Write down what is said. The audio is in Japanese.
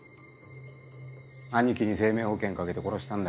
兄貴に生命保険かけて殺したんだろ？